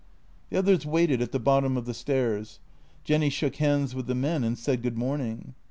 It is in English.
The others waited at the bottom of the stairs. Jenny shook hands with the men and said good morning.